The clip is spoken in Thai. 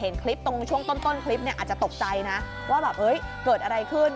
เห็นคลิปตรงช่วงต้นคลิปเนี่ยอาจจะตกใจนะว่าแบบเกิดอะไรขึ้น